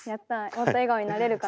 もっと笑顔になれるかな？